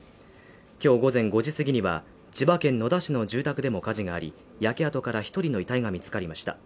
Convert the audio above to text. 今日午前５時すぎには、千葉県野田市の住宅でも火事があり焼け跡から１人の遺体が見つかりました。